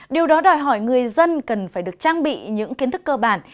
điều đó đòi hỏi người dân cần phải được trang bị những kiến thức cơ bản